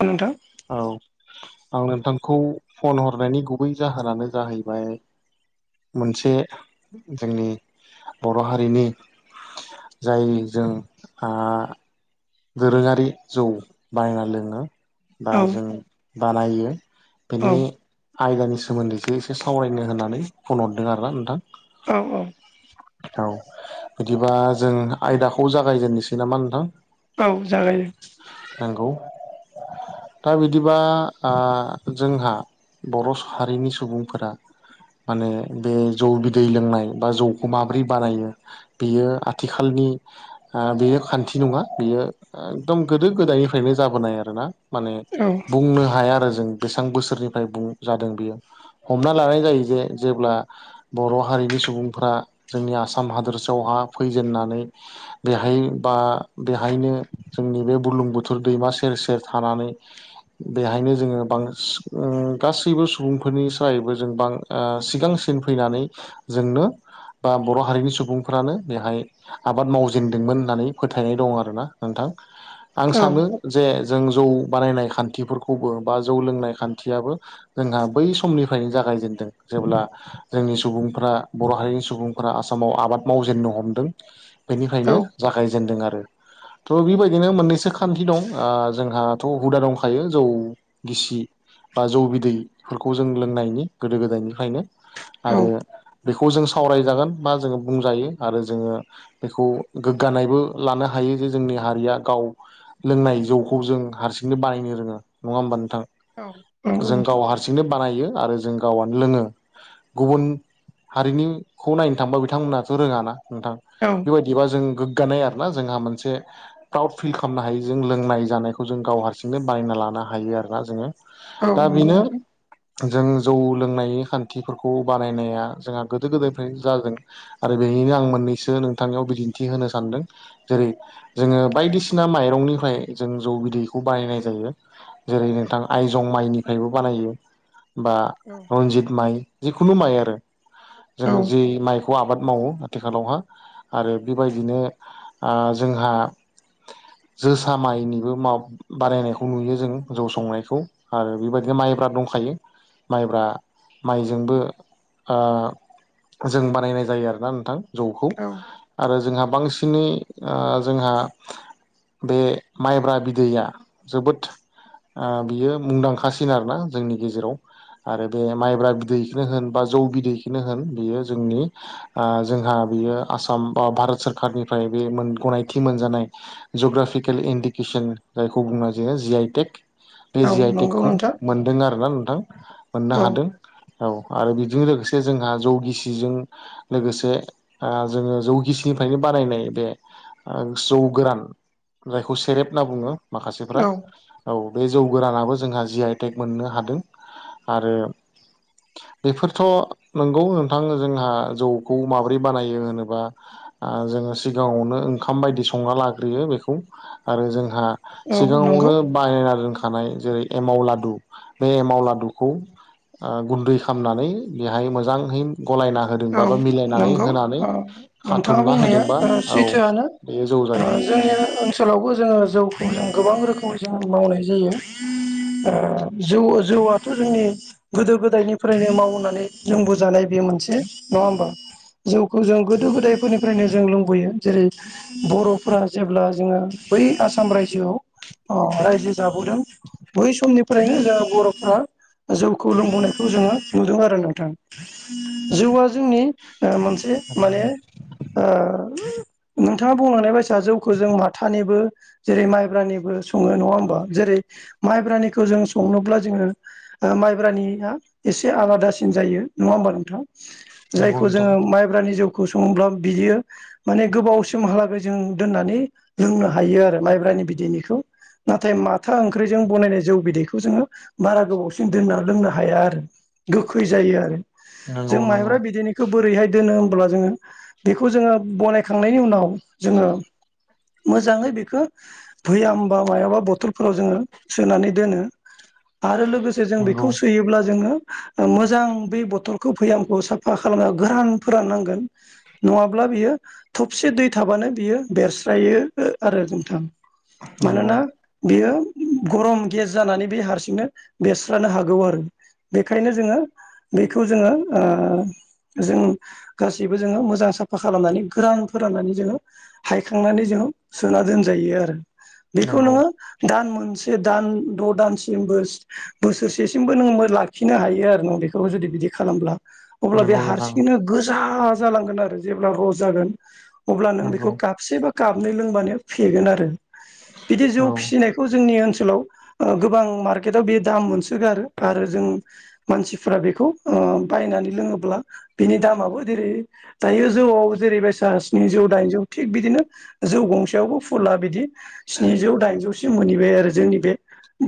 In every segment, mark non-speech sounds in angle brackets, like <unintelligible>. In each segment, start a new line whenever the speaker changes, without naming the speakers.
औ नोंथां
औ आं नोंथांखौ फन हरनायनि गुबै जाहोनानो जाहैबाय मोनसे जोंनि बर' हारिनि जाय जों आ दोरोङारि जौ बानायना लोङो बा
औ
जों बानायो
औ
बेनि आयदानि सोमोन्दैसो एसे सावरायनो होननानै फन हरदों आरोना नोंथां
औ औ
औ बिदिबा जों आयदाखौ जागायजेननोसै नामा नोंथां
औ जागाय
नोंगौ दा बिदिबा आ जोंहा बर' हारिनि सुबुंफोरा माने बे जौ बिदै लोंनाय बा जौ माब्रै बानायो बेयो आथिखालनि बेयो खान्थि नङा बेयो एकदम गोदो गोदायनिफ्रायनो जाबोनाय आरोना माने
औ
बुंनो हाया आरो जों बेसेबां बोसोरनिफ्राय बुं जादों बेयो हमना लानाय जायो जे जेब्ला बर' हारिनि सुबुंफ्रा जोंनि आसाम हादोरसायावहा फैजेननानै बेहाय बा बेहायनो जोंनि बे बुलुंबुथुर दैमा सेर सेर थानानै बेहायनो जोङो बांसिन गासैबो सुबुंफोरनि सायैबो जों बां ओ सिगांसिन फैनानै जोंनो बा बर' हारिनि सुबुंफ्रानो बेहाय आबाद मावजेनदोंमोन होननानै फोथायनाय दं आरोना नोंथां आं
औ
सानो जे जों जौ बानायनाय खान्थिफोरखौबो बा जौ लोंनाय खान्थियाबो जोंहा बै समनिफ्रायनो जागायजेनदों जेब्ला जोंनि सुबुंफ्रा बर' हारिनि सुबुं फोरा आसामाव आबाद मावजेननो हमदों
औ
बेनिफ्रायनो जागायजेनदों आरो थ' बेबायदिनो मोननैसो खान्थि दं आ जोंहाथ' हुदा दंखायो जौ गिसि बा जौ बिदैफोरखौ जों लोंनायनि गोदो गोदायनिफ्रायनो
औ
आरो बेखौ जों सावरायजागोन बा जोङो बुंजायो आरो जोङो बेखौ गोग्गानायबो लानो हायो जे जोंनि हारिया गाव लोंनाय जौखौ जों हारसिंनो बानायनो रोङा नङा होमबा नोंथां
औ नंगौ
जों गाव
नोंथां
हारस सिंनो बानायो आरो जों गावानो लोङो गुबुन हारिनिखौ नायनो थांबा बिथांमोनहाथ रोङा ना नोंथां
औ
बेबायदिबा जों गोग्गानाय आरोना जोंहा मोनसे प्राउड फिल खालामनो हायो जों लोंनाय जानायखौ जों गाव हारसिंनो बायना लानो हायो आरोना जोङो
औ
दा
नंगौ
बेनो
नोंथां
जों जौ लोंनायनि खान्थिफोरखौ बानायनाया जोंहा गोदो गोदायनिफ्राय जादों आरो बेनिनो आं मोननैसो नोंथांनियाव बिदिन्थि होनो सानदों जेरै जोङो बायदिसिना माइरंनिफ्राय जों जौ बिदैखौ बाहायनाय जायो जेरै नोंथां आइजं माइनिफ्रायबो बानायो बा
औ
रनजित माइ जिखुनु माइ आरो जों
औ
बै माइखौ आबाद मावो आथिखालावहा आरो बेबायदिनो ओ जोंहा जोसा माइनिबो माव बारायनायखौ नुयो जों जौ संनायखौ आरो बेबायदिनो माइब्रा दंखायो। माइब्रा माइजोंबो ओ जों बानायनाय जायो आरोना नोंथां जौखौ आरो जोंहा बांसिनै ओ जोंहा बे माइब्रा बिदैया जोबोद ओ बियो मुंदांखासिन आरोना जोंनि गेजेराव। आरो बे माइब्रा बिदैखौनो होन बा जौ बिदैखौनो होन बेयो जोंनि ओ जोंहा बियो आसाम बा भारत सोररखारारनिफ्राय बे गनायथि मोनजानाय जग्राफिकेल इन्डिकेसन जायखौ बुंनाय जायो जि आइ टेक। बे
औ
जि आइ
नंगौ
टेकखौ
नोंथां
मोनदों आरोना नोंथां मोननो
औ
हादों। औ आरो बिजों लोगोसे जोंहा जौ गिसि जों लोगोसे ओ जोङो जौखिसिनिफ्रायनो बानायनाय बे ओ जौ गोरान जायखौ सेरेब होनना बुङो माखासेफ्रा।
औ
औ बे जौ गोरानाबो जोंहा जि आइटेक मोननो हादों आरो बेफोरथ' नंगौ नोंथां जोंहा जौखौ माबोरै बानायो होनोबा ओ जोङो सिगाङावनो ओंखाम बायदि संना लाग्रोयो बेखौ आरो जोंहा
औ नंगौ
सिगाङावनो बानायना दोनखानाय जेरै एमाव लादु बे एमाव लादुखौ ओ गुन्दै खालामनानै बेहाय मोजाङै गलायना होदोंबा
औ
बा मिलायनानै
नंगौ
होनानै
ओ नोंथाङा
खाथुमना
बुंनाया
होदोंबा
ओ
औ
सैथोआनो
बेयो जौ
ओ
जायो
जोंनि
नंगौ।
ओनसोलावबो जोङो जौखौ जों गोबां रोखोम जों मावनाय जायो। ओ जौ जौआथ' जोंनि गोदो गोदायनिफ्रायनो मावनानै लोंबोजानाय बे मोनसे नङा होमबा? जौखौ जों गोदो गोदायफोरनिफ्रायनो जों लोंबोयो जेरै बर'फोरा जेब्ला जोङो बै आसाम रायजोआव अ राय जाबोदों बै समनि फ्रायनो जोङो बर'फोरा जौखौ लोंबोनायखौ जोङो नुदों आरो नोंथां। जौवा जोंनि ओ मोनसे
नंगौ
माने ओ नोंथाङा बुंनाय बायसा फिसा जौखौ जों माथानिबो जेरै माइब्रानिबो सङो नङा होमबा जेरै माइब्रानिखौ जों संनोब्ला जोङो माइब्रानिया एसे आलादासिन जायो नङा होमबा नोंथां?
नंगौ
जायखौ
नोंथां
जोङो माइब्रानि जौखौ सङोब्ला बियो माने गोबावसिमहालागै जों दोननानै लोंनो हायो आरो माइब्रानि बिदैनिखौ। नाथाय माथा ओंख्रिजों बनायनाय जौ बिदैखौ जोङो बारा गोबावसिन दोनना लोंनो हाया आरो गोखै जायो आरो
नंगौ
जों
नंगौ
माइब्रा बिदै दिननिखौ बोरैहाय दोनो होनोमब्ला जोङो बेखौ जोङो बनायखांनायनि उनाव जोङो मोजाङै बेखौ भैयामबा मायाबा बथलफोराव जोङो सोनानै दोनो ‌। आरो लोगोसे जों
नंगौ
बेखौ सोयोब्ला जोङो ओ मोजां बे बथलखौ भैयामखौ सा फा खालामना गोरान फोरान नांगोन। नङाब्ला बियो थबसे दै थाबानो बियो बेरस्रायो ओ आरो नोंथां।
नंगौ
मानोना बेयो गरम गेस जानानै बे हारसिंनो बेरस्रानो हागौ आरो। बेखायनो जोङो बेखौ जोङो ओ जों गासैबो जोङो मोजां साफा खालामनानै गोरान फोराननानै जोङो हायखांनानै जोंङो सुा दोनजायो आरो बेखौ
नंगौ
नोङो दान मोनसे दान द' दानसिमबो सो बोसोरसेसिमबो नोंङो लाखिनो हायो आरो नों बेखौबो जुदि बिदि खालामब्ला। अब्ला बे
नंगौ नोंथां
हारसिङैनो गोजा जालांगोन आरो जेब्ला रस जागोन। अब्ला नों
नंगौ
बेखौ काबसे बा काबनै लोंबानो फेगोन आरो बिदि जौ
औ
फिसिनाय खौ जोंनि ओनसोलाव गोबां मार्केटआव बे दाम मोनसोगारो आरो जों मानसिफ बेखौ ओ बायनानै लोङोब्ला बिनि दामाबो जेरै दायो जौआव जेरैबायसा स्निजौ दाइनजौ थिग बिदिनो जौ गंसेयावबो फुला बिदि स्निजौ दाइनजौसिम मोनहैबाय आरो जोंनि बे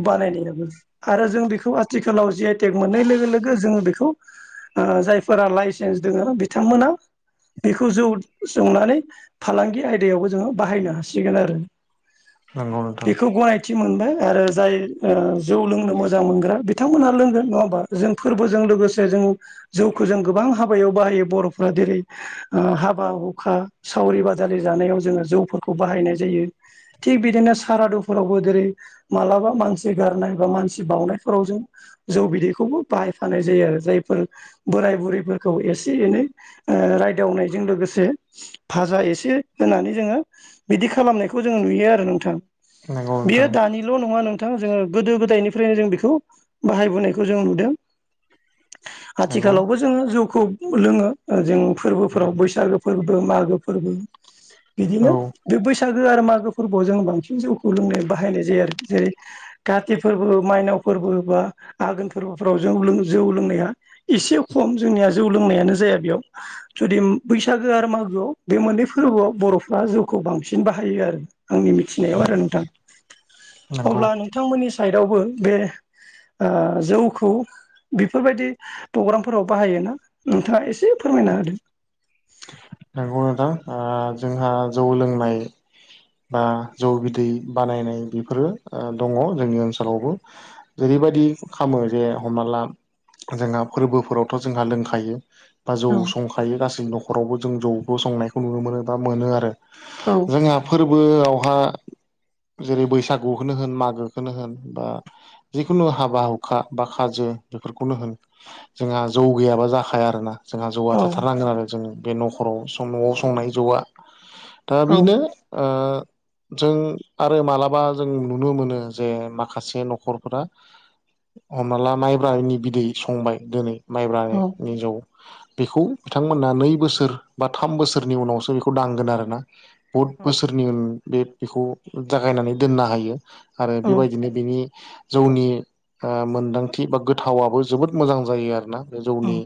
बानायनायाबो आरो जों बेखौ आथिखालाव जि आइ टेक मोननाय लोगो लोगो जोङो बेखौ जायफोरा लाइसेन्स दोङो बिथांमोनहा बेखौ जौ सोंनानै फालांगि आयदायावबो जोङो बाहायनो हासिगोन आरो
नंगौ नोंथां
बेखौ गनाय खाथि मोनबाय आरो जाय ओ जौ लोंनो मोजां मोनग्रा बिथांमोनहा लोंगोन नङा होमबा जों फोरबोजों लोगोसे जों जौखो जों गोबां हाबायाव बाहायो बर'फ्रा जेरै ओ हाबा हुखा सावरि बादालि जानायाव जोङो जौफोरखौ बाहायनाय जायो थिग बिदिनो साहारादुफोरावबो जेरै मालाबा मानसि गारनाय बा मानसि बावनायफोराव जों जौ बिदैखौबो बाहायफानाय जायो आरो जायफोर बोराय बुरैफोरखौ एसे एनै ओ रायदावनायजों लोगोसे भाजा एसे होनानै जोङो बिदि खालामनायखौ जोङो नुयो आरो नोंथां
नंगौ नोंथां
बियो दानि ल नङा नोंथां जोङो गोदो गोदायनिफ्रायनो जों बेखौ बाहायबोनायखौ जों नुदों
नंगौ
आथिखालावबो जोङो जौखौ लोङो जों फोरबोफोराव बैसागो फोरबो मागो फोरबो बिदिनो
औ
बे बैसागो आरो मागो फोरबोआव जों बांसिन जौखौ लोंनो बाहायनाय जायो आरो जेरै काति फोरबो माइनाव फोरबो बा आघोन फोरबोफ्राव जौ लों जौ लोंनाया एसे खम जोंनिया जौ लोंनायानो जाया बेयाव जुदि बैसागो आरो मागोआव बे मोननै फोरबोआव बर'फ्रा जौखौ बांसिन बाहायो आरो। आंनि मिथिनायाव आरो नोंथां
नंगौ
अब्ला नों थांमोननि साइदावबो बे जौखौ बेफोरबायदि प्रग्रामफोराव बाहायो ना नोंथाङा एसे फोरमायना होदों।
नंगौ नोंथां ओ जोंहा जौ लोंनाय बा जौ बिदै बानायनाय बेफोरो दङ जोंनि ओनसोलावबो जेरैबायदि खामो जे हमना ला जोंहा फोरबोफोरावथ जोंहा लोंखायो बा जौ
औ
संखायो गासै न'खरावबो जों जौखौ संनायखौ नुनो मोनो बा मोनो आरो
औ
जोंहा फोरबोआवहा जेरै बैसागुखौनो होन मागोखौनो होन बा जिखुनु हाबा हुखा बा खाजो बेफोरखौनो होन जोंहा जौ गैयाबा जाखाया आरोना जोंहा जौआ
औ
थाथारनांगोन आरो जों बे न'खराव न'आव संनाय जौआ दा
औ
बेनो ओ जों आरो मालाबा जों नुनो मोनो जे माखासे न'खरफोरा हमना ला माइब्रानि बिदै संबाय दिनै माइब्रानि जौ बेखौ बिथांमोना नै बोसोर बा थाम बोसोरनि उनावसो बेखौ दांगोन आरो ना बुहुद
औ
बोसोरनि उन बे बेखौ जागायनानै दोननो हायो आरो बेबायदिनो बेनि जौनि ओ मोनदांथि बा गोथावाबबो जोबोद मोजां जायो आरोना बे
औ
जौनि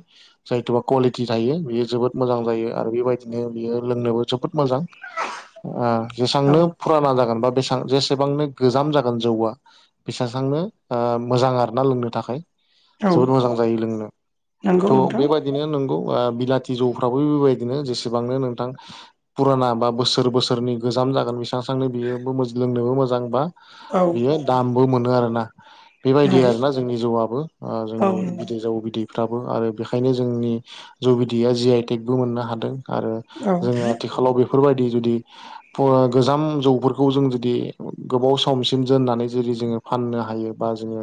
जायथुबा कुवालिटि थायो बियो जोबोद मोजां जायो आरो बेबायदिनो बियो लोंनोबो जोबोद मोजां। ओ
औ
जेसांनो फुराना जागोन बा बेसां जेसेबांनो गोजाम जागोन जौआ बिसासांनो मोजां आरोना लोंनो थाखाय
औ
जोबोद मोजां जायो लोंनो थ
नंगौ नोंथां
बेबाय दिनो नंगौ आ बिलाथि जौफ्राबो बेबायदिनो जेसेबांनो नोंथां फुरा बा बोसोर बोसोर बोसोरनि गोजाम जागोन बेसांसांनो बियो लोंनोबो मोजां बा
औ
बियो दामबो मोनो आरोना बेबायदि
नंगौ
आरोना जोंनि जौआबो ओ
औ
जोंनि
नंगौ
बिदै जौ बिदै फ्राबो आरो बेखायनो जोंनि जु बिदिया जि आइ टेकबो मोननो हादों। आरो
औ
जोङो आथिखालाव बेफोर बायदि जुदि <unintelligible> गोजाम जौफोरखौ जों जुदि गोबाव समसिम जोननानै जुदि जोङो फाननो हायो बा जोङो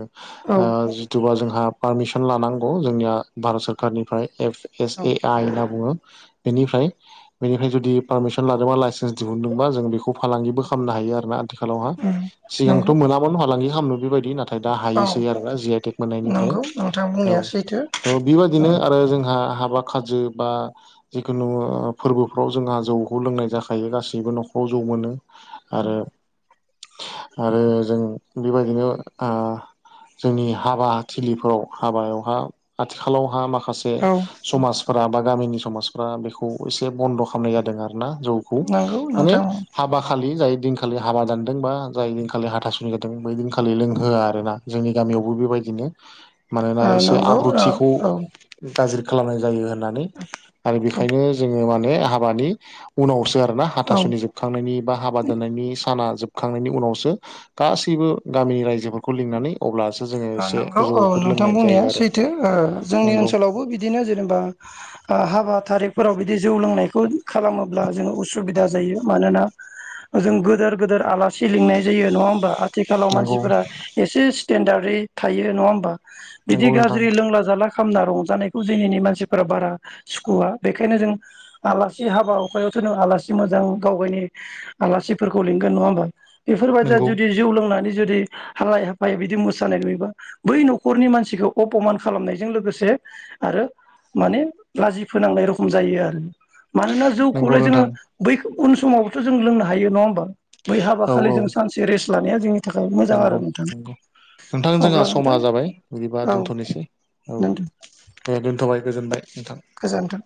औ
ओ जिथुबा जोंहा पारमिसन लानांगौ जोंनिया भारत सोरखारनिफ्राय एफ एस
औ
ए आइ होनना बुङो बेफ्राय बेफ्राय जुदि पारमिसन ला बा लाइसेन्स दिहुनदोंबा जों बेखौ फालांगिबो खालामनो हायो आरोना। आथिखालावहा सिगांथ'
नंगौ
मोनामोन फालांगि खालामनो बेबायदि नाथ नाथाय दा
औ
हायोसै आरो ना जि आइ टेक मोननायनिफ्राय।
नंगौ नोंथां
औ
बुंनाया सैथो
थ' बेबायदिनो
ओ
आरो जोंहा हाबा खाजो बा जिखुनु ओ फोरबोफ्राव जोंहा जौखौ लोंनाय जाखायो गासैबो न'खराव जौ मोनो आरो आरो जों बेबायदिनो ओ जोंनि हाबा थिलिफोराव हाबायावहा आथिखालावहा माखासे बे
औ
समाजफोरा बा गामिनि समाजफ्रा बेखौ एसे बन्द' खालामनाय जादों आरोना जौ खौ
नंगौ
माने
नोंथां ओ
हाबा खालि जाय दिनखालि हाबा दानदों बा जाय दिनखालि हाथासुनि जादों बै दिनखालि लोंहोआ आरो ना। जोंनि गामियावबो बेबायदिनो मानोना एसे
नंगौ ओ औ
आब्रुथिखौ गाज्रि खालामनाय जायो होननानै आरो
औ
बेखायनो जोङो माने हाबानि उनाव सो आरोना हाथासुनि जोबखांनायनि बा हाबा दोननायनि साना जोबखांनायनि उनावसो गासैबो गामिनि रायजोफोरखौ लिंनानै अब्लासो जोङो
ओ
एसे
नंगौ
जौफोर
नोंथां
लोंनाय
बुंनाया
जायो आरो
सैथो ओ जोंनि
नंगौ
ओनसोलावबो बि बिदिनो जेनेबा ओ हाबा थारिखफोराव बिदि जौ लोंनायखौ खालामोबा जो उसुबिदा <unintelligible> मानोना ओजों गोदोर गोदोर आलासि सि लिंनाय जायो नङा होमबा आथिखालाव
नंगौ
मानसिफोरा एसे स्टेेनडार्डै थायो नङा होमबा। बिदि
नंगौ नोंथां
गाज्रि लोंला-जाला खा खामना रंजानायखौ दिनिनि मानसिफोरा बारा सुखुवा बेखायनो जों आलासि हाबा- हुखायावथो नों आलासि मोजां गाव गावनि आलासिफोरखौ लिंगोन नङा होमबा। बेफोर बायदिया
नंगौ
जुदि जौ लोंनानै जुदि हालाय-हाफाय बिदि मो सानाय नुयोबा बै न'खरनि मानसिखौ अपमान खालामनायजों लोगोसे आरो माने लाजि फोनांनाय रखम जायो आरो। मानोना
नंगौ
जौखौलाय जोङो
नोंथां
बै उन समावबोथ' जों लोंनो हायो नङा होमबा। बै हाबा
औ औ
खालिजों सानसे रेस्ट लानाया जोंनि थाखाय मोजां
नंगौ
आरो नोंथां।
नंगौ नोंथां जोंहा
अब्ला
समा
नोंथां
जाबाय बिदिबा
औ
दोनथ'नोसै औ।
नोंथां
दे दोन्थ'बाय गोजोनबाय नोंथां।
गोजोन्थों।